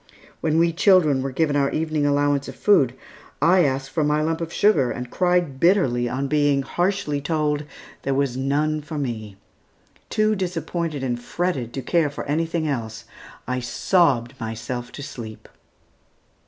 When we children were given our evening allowance of food, I asked for my lump of sugar, and cried bitterly on being harshly told there was none for me. Too disappointed and fretted to care for anything else, I sobbed myself to sleep.